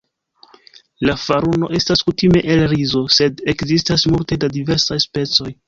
La faruno estas kutime el rizo, sed ekzistas multe da diversaj specoj.